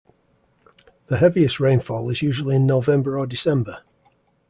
The heaviest rainfall is usually in November or December.